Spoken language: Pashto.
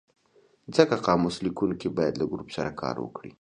ځکه قاموس لیکونکی باید له ګروپ سره کار وکړي.